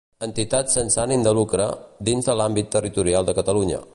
Entitats sense ànim de lucre, dins de l'àmbit territorial de Catalunya.